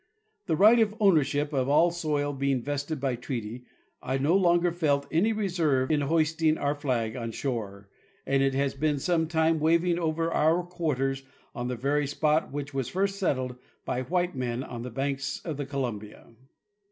The right of ownership of the soil being vested by treaty, I no longer felt any reserve in hoisting our flag on shore, and it has been some time waving over our quarters on the very spot which was first settled by white men on the banks of the Columbia."